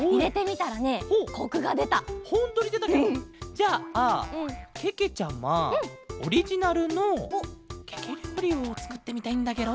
じゃあけけちゃまオリジナルのケケりょうりをつくってみたいんだケロ。